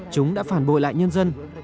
chúng đã phản bội lại nhân dân